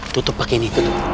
tutup pake ini